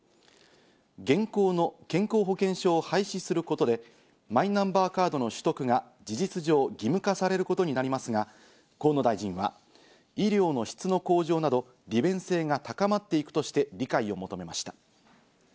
現行の健康保険証を廃止することで、マイナンバーカードの取得が事実上、義務化されることになりますが、河野大臣は医療の質の向上など利便性が高まっていくとして理解を求めました。